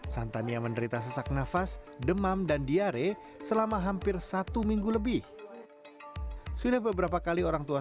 santania menderita sesak nafas demam dan diare selama hampir satu minggu lebih